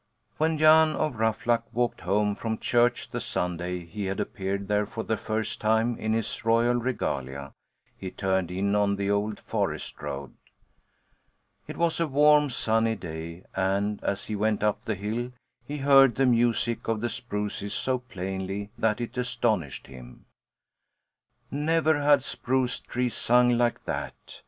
When Jan of Ruffluck walked home from church the Sunday he had appeared there for the first time in his royal regalia, he turned in on the old forest road. It was a warm sunny day and, as he went up the hill, he heard the music of the spruces so plainly that it astonished him. Never had spruce trees sung like that!